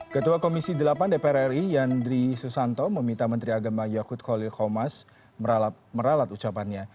ketua komisi delapan dpr ri yandri susanto meminta menteri agama yakut khalil komas meralat ucapannya